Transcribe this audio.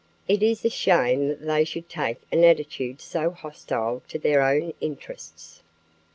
It is a shame that they should take an attitude so hostile to their own interests."